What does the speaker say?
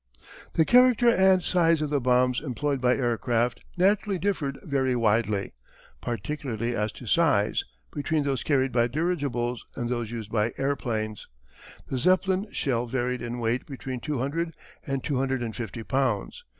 The character and size of the bombs employed by aircraft naturally differed very widely, particularly as to size, between those carried by dirigibles and those used by airplanes. The Zeppelin shell varied in weight between two hundred and two hundred and fifty pounds.